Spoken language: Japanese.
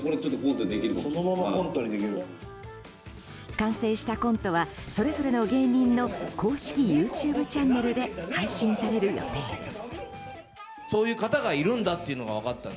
完成したコントはそれぞれの芸人の公式ＹｏｕＴｕｂｅチャンネルで配信される予定です。